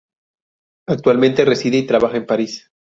Actualmente reside y trabaja en París.